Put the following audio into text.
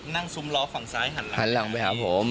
ซุ้มล้อฝั่งซ้ายหันหลังไปหาผม